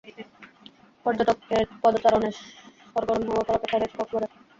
পর্যটকের পদচারণে সরগরম হয়ে ওঠার অপেক্ষায় রয়েছে কক্সবাজার।